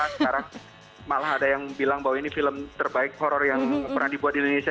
sekarang malah ada yang bilang bahwa ini film terbaik horror yang pernah dibuat di indonesia